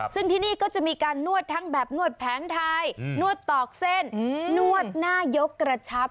ซึ่งที่นี่ก็จะมีการนวดทั้งแบบนวดแผนไทยนวดตอกเส้นนวดหน้ายกกระชับ